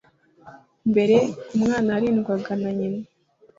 Mbere, umwana yarindwaga na nyina.